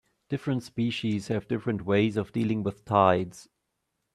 Different species have different ways of dealing with tides.